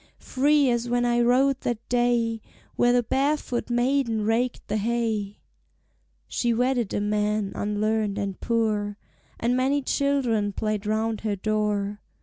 "Free as when I rode that day Where the barefoot maiden raked the hay." She wedded a man unlearned and poor, And many children played round her door.